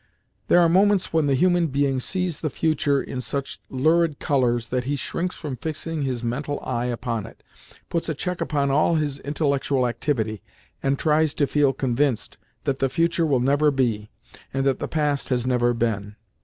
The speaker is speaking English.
There are moments when the human being sees the future in such lurid colours that he shrinks from fixing his mental eye upon it, puts a check upon all his intellectual activity, and tries to feel convinced that the future will never be, and that the past has never been.